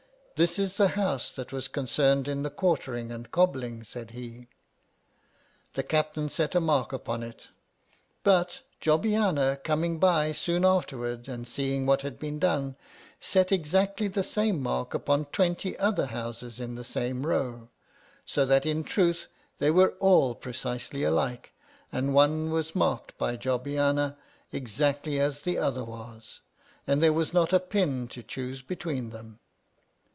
This is the House that was con cerned in the quartering and cobbling, said he. The captain set a mark upon it. But, Job biana coming by soon afterwards, and seeing what had been done, set exactly the same mark upon twenty other Houses in the same row. So that in truth they were all precisely alike, and one was marked by Jobbiana exactly as another was, and there was not a pin to choose between them.